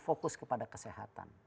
fokus kepada kesehatan